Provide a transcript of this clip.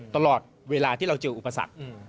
ตลอดเวลาที่เราเจออุปสรรค